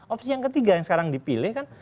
opsi yang ketiga yang sekarang dipilih kan